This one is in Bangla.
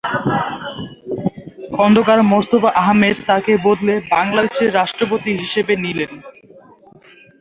খোন্দকার মোস্তাক আহমদ তাকে বদলে বাংলাদেশের রাষ্ট্রপতি হিসাবে নিলেন।